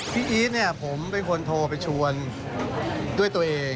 พี่อีทเนี่ยผมเป็นคนโทรไปชวนด้วยตัวเอง